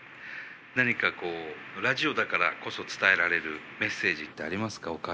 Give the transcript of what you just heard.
何かこうラジオだからこそ伝えられるメッセージってありますかお母さんに。